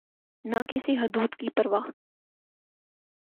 نہ کسی حدود کی پروا۔